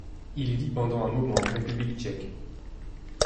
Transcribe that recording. Il vit pendant un moment en République Tchèque.